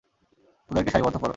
ওদেরকে সারিবদ্ধ করো।